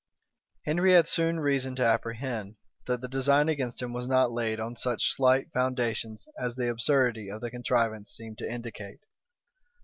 Henry had soon reason to apprehend, that the design against him was not laid on such slight foundations as the absurdity of the contrivance seemed to indicate.